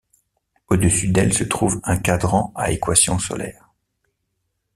Au-dessus d'elle se trouve un cadran à équation solaire.